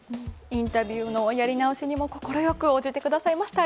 インタビューのやり直しにも快く応じてくださいました。